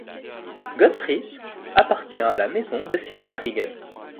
Gottfried appartient à la maison de Sigmaringen-.